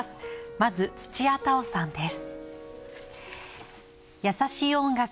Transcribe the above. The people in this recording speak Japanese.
まず土屋太鳳さんです。